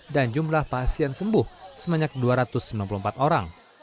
dan jumlah pasien sembuh sebanyak dua ratus sembilan puluh empat orang